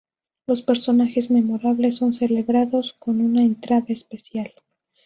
Los personajes memorables son celebrados con una entrada especial.